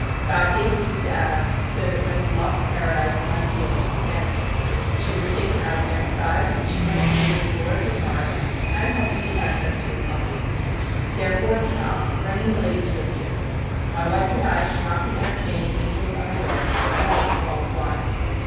God gave Eve to Adam so that when he lost Paradise he might be able to stand it. She was taken out of man's side that she might be near the door of his heart, and have easy access to his pockets. Therefore, come, bringing the ladies with you. My wife and I shall not be entertaining angels unawares, but knowing it all the while.